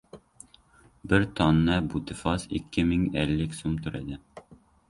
Bir tonna butifos ikki ming ellik so‘m turadi!